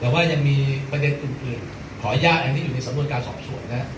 แต่ว่ายังมีประเด็นอุปชัยเพื่อคอยยากแองนี้อยู่ในสำนวนการสอบส่วนนะครับ